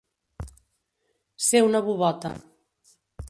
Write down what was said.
Ser una bubota.